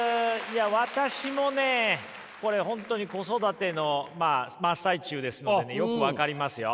私もねこれ本当に子育てのまあ真っ最中ですのでねよく分かりますよ。